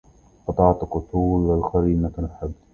قطعت قتول قرينة الحبل